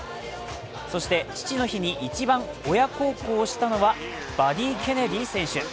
父の日に一番親孝行をしたのはバディ・ケネディ選手。